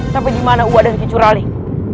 sampai dimana uak dan kicu raling